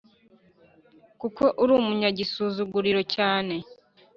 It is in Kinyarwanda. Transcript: kuko uri umunyagisuzuguriro cyane